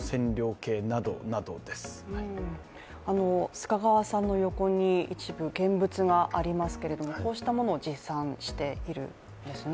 須賀川さんの横に一部、現物がありますけれどもこうしたものを持参しているんですね？